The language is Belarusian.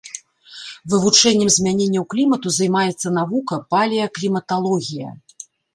Вывучэннем змяненняў клімату займаецца навука палеакліматалогія.